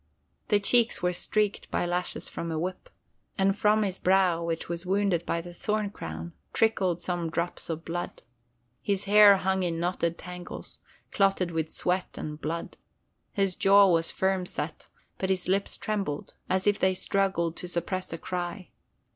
The cheeks were streaked by lashes from a whip, and from his brow, which was wounded by the thorn crown, trickled some drops of blood. His hair hung in knotted tangles, clotted with sweat and blood. His jaw was firm set, but his lips trembled, as if they struggled to suppress a cry.